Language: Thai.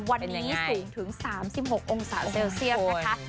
วันนี้สูงถึง๓๖องศาเซลเซียสนะคะ